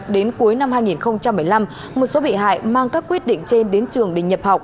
đến cuối năm hai nghìn một mươi năm một số bị hại mang các quyết định trên đến trường để nhập học